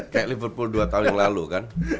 kayak liverpool dua tahun yang lalu kan